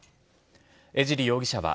江尻容疑者は、